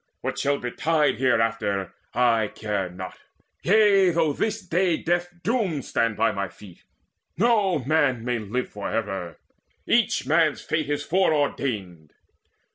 What shall betide Hereafter, care I not yea, though this day Death's doom stand by my feet: no man may live For ever: each man's fate is foreordained."